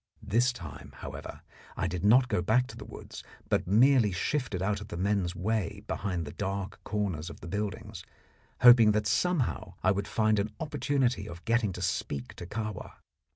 This time, however, I did not go back to the woods, but merely shifted out of the men's way behind the dark corners of the buildings, hoping that somehow I would find an opportunity of getting to speak to Kahwa.